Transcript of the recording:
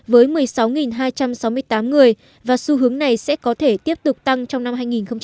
với một mươi sáu hai trăm sáu mươi tám người và xu hướng này sẽ có thể tiếp tục tăng trong năm hai nghìn hai mươi